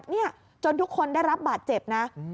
เนี่ยจนทุกคนได้รับบาดเจ็บนะ